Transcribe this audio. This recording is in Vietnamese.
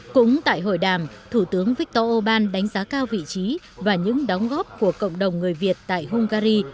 cũng tại hội đàm thủ tướng viktor orbán đánh giá cao vị trí và những đóng góp của cộng đồng người việt tại hungary